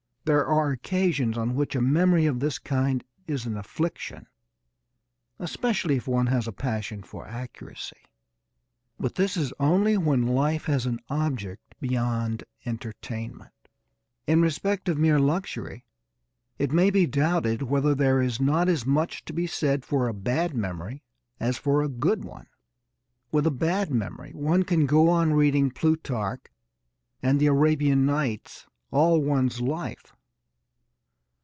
There are occasions on which a memory of this kind is an affliction, especially if one has a passion for accuracy. But this is only when life has an object beyond entertainment. In respect of mere luxury, it may be doubted whether there is not as much to be said for a bad memory as for a good one. With a bad memory one can go on reading Plutarch and The Arabian Nights all one's life.